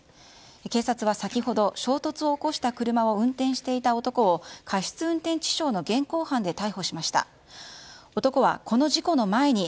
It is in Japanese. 警察は先ほど衝突を起こした車を運転していた男を過失運転致傷の現行犯でヘイ！